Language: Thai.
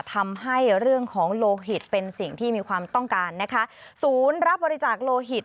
ทำให้เรื่องของโลหิตเป็นสิ่งที่มีความต้องการนะคะศูนย์รับบริจาคโลหิต